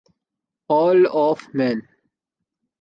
oil of main